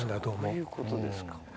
そういうことですか。